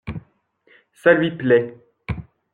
Ça lui plait.